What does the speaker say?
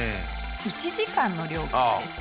１時間の料金です。